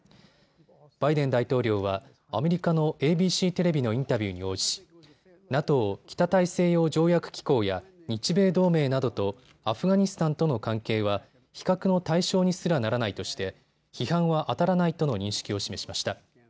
バイデン大統領はアメリカのＡＢＣテレビのインタビューに応じＮＡＴＯ・北大西洋条約機構や日米同盟などとアフガニスタンとの関係は比較の対象にすらならないとして批判はあたらないとの認識を示しました。